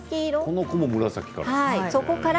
この子も紫から。